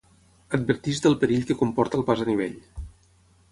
Adverteix del perill que comporta el pas a nivell.